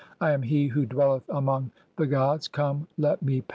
I 'am he who dwelleth among the gods, come, let [me] pass I.